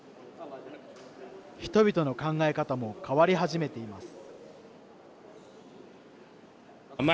人々の考え方も変わり始めています。